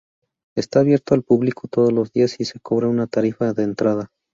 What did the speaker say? Está abierto al público todos los días y se cobra una tarifa de entrada.